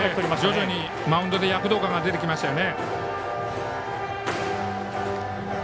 徐々にマウンドで躍動感が出てきましたよね。